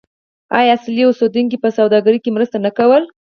آیا اصلي اوسیدونکو په سوداګرۍ کې مرسته نه کوله؟